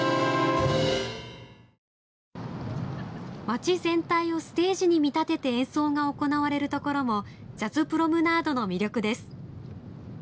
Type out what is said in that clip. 街全体をステージに見立てて演奏が行われるところもジャズプロムナードの魅力です。